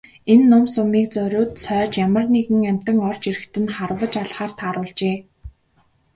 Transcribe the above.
Энэ нум сумыг зориуд сойж ямар нэгэн амьтан орж ирэхэд нь харваж алахаар тааруулжээ.